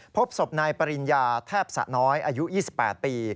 พบศพนายปริญญาแทบสะน้อยอายุ๒๘ปี